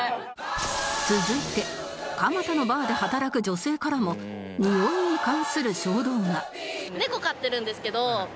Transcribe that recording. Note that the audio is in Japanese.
続いて蒲田のバーで働く女性からも匂いに関する衝動が